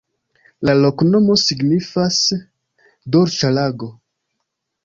La loknomo signifas: "dolĉa lago".